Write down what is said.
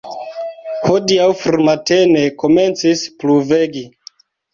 Hodiaŭ frumatene komencis pluvegi.